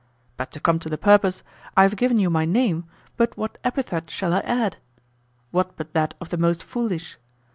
But to come to the purpose: I have given you my name, but what epithet shall I add? What but that of the most foolish?